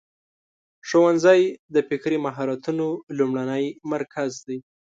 ښوونځی د فکري مهارتونو لومړنی مرکز دی.